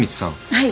はい。